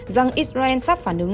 rằng israel sắp phản ứng